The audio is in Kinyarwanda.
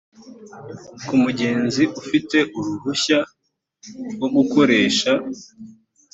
ku mugenzi ufite uruhushya rwo gukoresha